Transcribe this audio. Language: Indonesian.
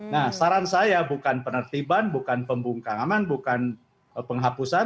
nah saran saya bukan penertiban bukan pembungkaman bukan penghapusan